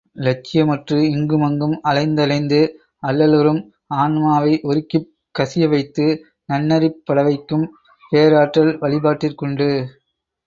இலட்சியமற்று இங்குமங்கும் அலைந் தலைந்து அல்லலுறும் ஆன்மாவை உருக்கிக் கசியவைத்து நன்னெறிப்படவைக்கும் பேராற்றல் வழிபாட்டிற்குண்டு.